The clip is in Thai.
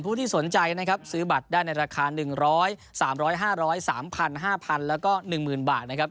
ที่สนใจนะครับซื้อบัตรได้ในราคา๑๐๐๓๐๐๕๐๓๐๐๕๐๐แล้วก็๑๐๐บาทนะครับ